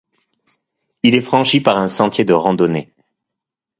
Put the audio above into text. Il est franchi par un sentier de randonnée.